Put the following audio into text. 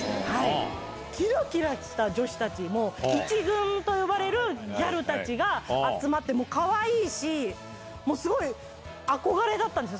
きらきらした女子たち、もう１軍と呼ばれるギャルたちが集まって、もうかわいいし、もうすごい、憧れだったんです。